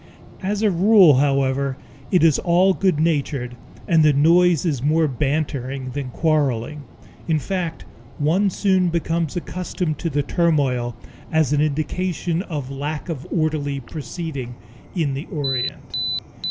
As a rule, however, it is all good natured, and the noise is more bantering than quarreling. In fact, one soon becomes accustomed to the turmoil as an indication of lack of orderly proceeding in the Orient.